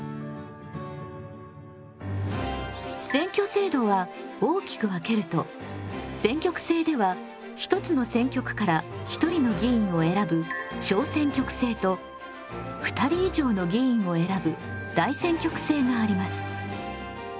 選挙制度は大きく分けると選挙区制ではひとつの選挙区から１人の議員を選ぶ小選挙区制と２人以上の議員を選ぶ大選挙区制があります。